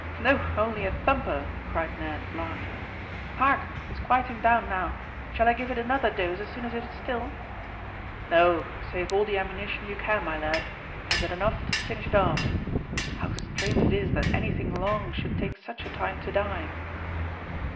"No; only a thumper," cried Ned, laughing. "Hark, it's quieting down now. Shall I give it another dose as soon as it is still?" "No; save all the ammunition you can, my lad. It has had enough to finish it off. How strange it is that anything long should take such a time to die."